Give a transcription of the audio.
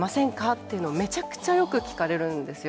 っていうのを、めちゃくちゃよく聞かれるんですよ。